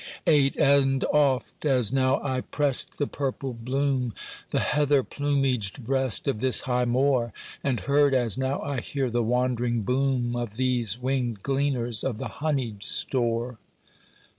VIII And oft, as now, I pressed the purple bloom— The heather plumaged breast of this high moor; And heard, as now I hear, the wandering boom Of these winged gleaners of the honeyed store.